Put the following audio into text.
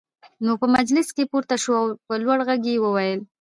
نو په مجلس کې پورته شو او په لوړ غږ يې وويل: